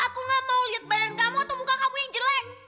aku gak mau lihat badan kamu atau muka kamu yang jelek